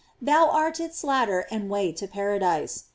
Thou art its ladder and way to paradise.